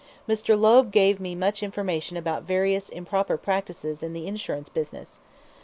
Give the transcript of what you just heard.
Mr. Loeb gave me much information about various improper practices in the insurance business.